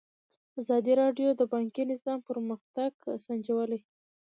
ازادي راډیو د بانکي نظام پرمختګ سنجولی.